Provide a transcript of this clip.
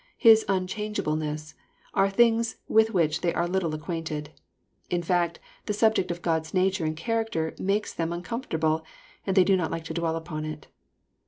His unchangeableness, are things with which they are little acquainted. In fact, the subject of God's nature and character makes them un comfortable, and they do not like to dwell upon it.